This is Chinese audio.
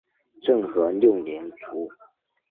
政和六年卒。